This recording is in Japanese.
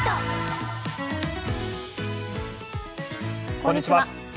こんにちは。